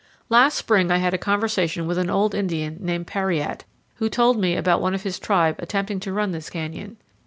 Last spring I had a conversation with an old Indian named Páriate, who told me about one of his tribe attempting to run this canyon.